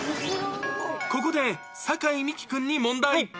ここで酒井美紀君に問題。